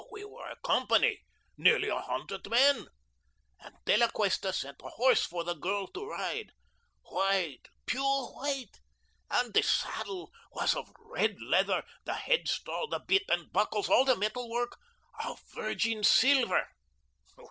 We were a company, nearly a hundred men. And De La Cuesta sent a horse for the girl to ride, white, pure white; and the saddle was of red leather; the head stall, the bit, and buckles, all the metal work, of virgin silver.